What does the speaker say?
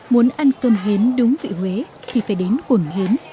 muốn ăn cơm hến đúng vị huế thì phải đến cồn hến